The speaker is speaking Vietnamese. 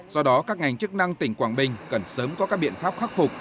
do đó các ngành chức năng tỉnh quảng bình cần sớm có các biện pháp khắc phục